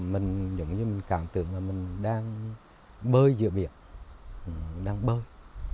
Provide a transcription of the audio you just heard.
mình cảm tưởng là mình đang bơi giữa biển đang bơi